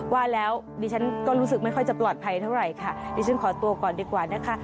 ว่าแล้วดิฉันก็รู้สึกไม่ค่อยจะปลอดภัยเท่าไหร่ค่ะดิฉันขอตัวก่อนดีกว่านะคะ